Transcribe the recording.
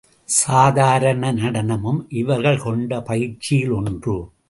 சாதாரண நடனமும் இவர்கள் கொண்ட பயிற்சியில் ஒன்று.